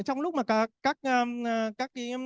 trong lúc mà các